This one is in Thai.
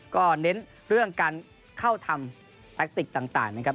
ก็เน้นเรื่องการเข้าทำแท็กติกต่างนะครับ